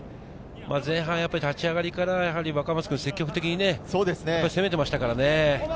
前半立ち上がりから若松君、積極的に攻めていましたからね。